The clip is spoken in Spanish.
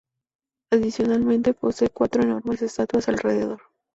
Adicionalmente posee cuatro enormes estatuas alrededor.